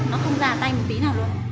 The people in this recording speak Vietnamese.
nó không ra tay một tí nào luôn